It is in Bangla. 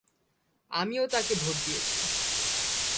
আমিও তাকে ভোট দিয়েছি।